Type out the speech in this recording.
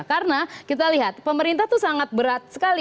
karena kita lihat pemerintah tuh sangat berat sekali